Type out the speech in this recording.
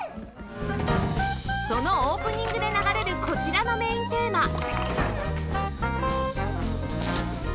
そのオープニングで流れるこちらのメインテーマ